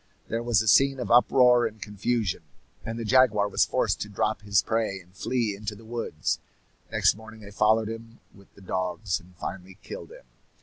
There was a scene of uproar and confusion, and the jaguar was forced to drop his prey and flee into the woods. Next morning they followed him with the dogs, and finally killed him.